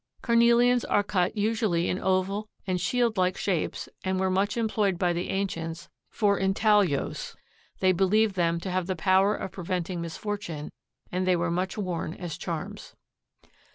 Carnelians are cut usually in oval and shield like shapes and were much employed by the ancients for intaglios. They believed them to have the power of preventing misfortune and they were much worn as charms.